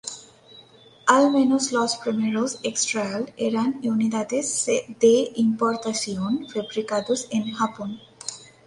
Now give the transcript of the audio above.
Al menos los primeros X-Trail eran unidades de importación fabricados en Japón.